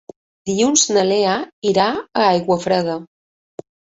Dilluns na Lea irà a Aiguafreda.